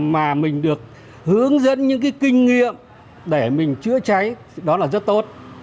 mà mình được hướng dẫn những cái kinh nghiệm để mình chữa cháy đó là rất tốt